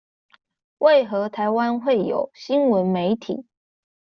為何台灣會有新聞媒體